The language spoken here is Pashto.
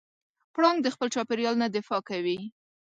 پړانګ د خپل چاپېریال نه دفاع کوي.